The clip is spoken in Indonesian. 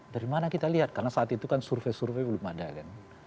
dari mana kita lihat karena saat itu kan survei survei belum ada kan